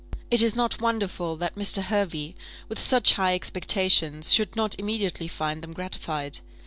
It is not wonderful that Mr. Hervey, with such high expectations, should not immediately find them gratified.